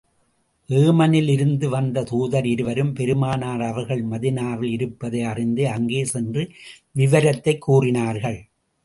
ஏமனிலிருந்து வந்த தூதர் இருவரும், பெருமானார் அவர்கள் மதீனாவில் இருப்பதை அறிந்து, அங்கே சென்று விவரத்தைக் கூறினார்கள்.